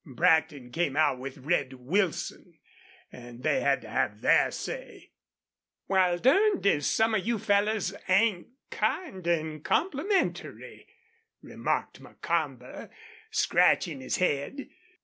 Brackton came out with Red Wilson, and they had to have their say. "Wal, durned if some of you fellers ain't kind an' complimentary," remarked Macomber, scratching his head.